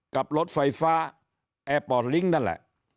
กับรถไฟฟ้าแอร์ปอร์ตลิงค์นั่นแหละ